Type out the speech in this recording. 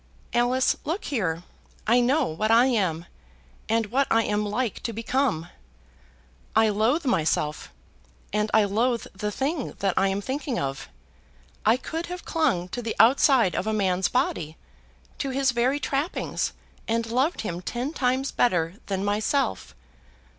"Alice, look here. I know what I am, and what I am like to become. I loathe myself, and I loathe the thing that I am thinking of. I could have clung to the outside of a man's body, to his very trappings, and loved him ten times better than myself!